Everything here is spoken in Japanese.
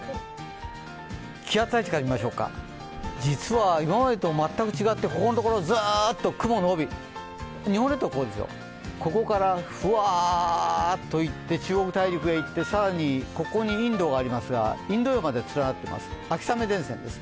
気圧配置から見ましょうか、実は今までと全く違って、ここのところずっと雲の帯、日本列島はここですよ、ここからふわっといって中国大陸へいって更にここがインドがありますがインド洋まで連なっています、秋雨前線です。